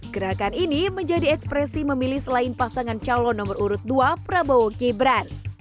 gerakan ini menjadi ekspresi memilih selain pasangan calon nomor urut dua prabowo gibran